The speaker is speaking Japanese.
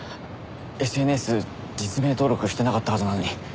ＳＮＳ実名登録してなかったはずなのに。